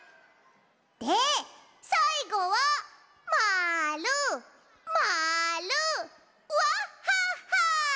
でさいごはまるまるわっはっは。